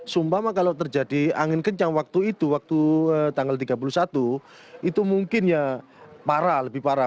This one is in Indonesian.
sumpama kalau terjadi angin kencang waktu itu waktu tanggal tiga puluh satu itu mungkin ya parah lebih parah